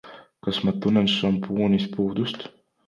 Kas ma tunnen šampoonist puudust?